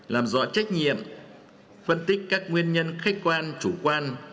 làm rõ trách nhiệm phân tích các nguyên nhân khách quan chủ quan